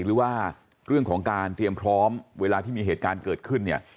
หรือว่าเรื่องของการเตรียมพร้อมเวลาที่มีเหตุการณ์เกิดขึ้นเนี่ย